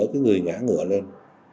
cái người ngã ngựa lên